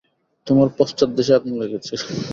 তোমার পশ্চাদ্দেশে আগুন লেগেছে!